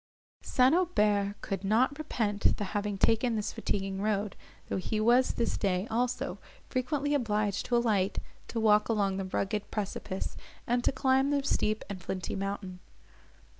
St. Aubert could not repent the having taken this fatiguing road, though he was this day, also, frequently obliged to alight, to walk along the rugged precipice, and to climb the steep and flinty mountain.